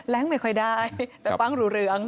แหลงไม่ค่อยได้แต่ว่างหรูเรือง